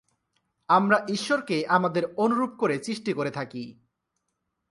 আমরা ঈশ্বরকে আমাদের অনুরূপ করে সৃষ্টি করে থাকি।